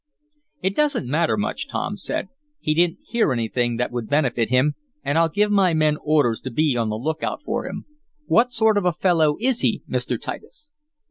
"It doesn't matter much," Tom said. "He didn't hear anything that would benefit him, and I'll give my men orders to be on the lookout for him. What sort of fellow is he, Mr. Titus?"